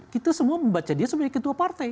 kita semua membaca dia sebagai ketua partai